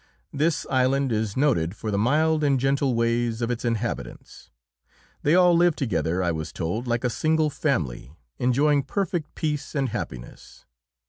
This island is noted for the mild and gentle ways of its inhabitants. They all live together, I was told, like a single family, enjoying perfect peace and happiness.